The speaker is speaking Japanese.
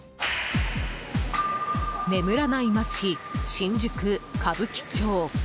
眠らない街、新宿歌舞伎町。